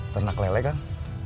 ternak lele kang